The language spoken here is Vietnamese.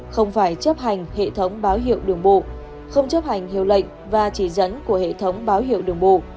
không phải chấp hành hệ thống báo hiệu đường bộ không chấp hành hiệu lệnh và chỉ dẫn của hệ thống báo hiệu đường bộ